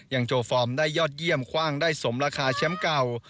โชว์ฟอร์มได้ยอดเยี่ยมคว่างได้สมราคาแชมป์เก่า